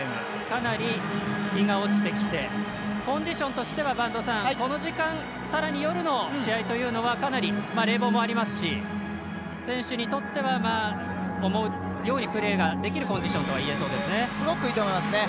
かなり日が落ちてきてコンディションとしては播戸さん、この時間さらに夜の試合ということもありかなり冷房もありますし選手にとっては思うようにプレーができるコンディションとはすごくいいと思いますね。